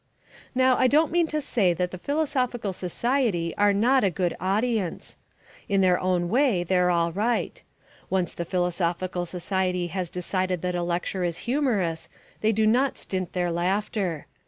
Now I don't mean to say that the Philosophical Society are not a good audience. In their own way they're all right. Once the Philosophical Society has decided that a lecture is humorous they do not stint their laughter.